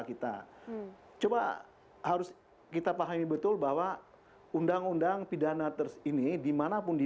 kita coba harus kita pahami betul bahwa undang undang pidana terus ini dimanapun di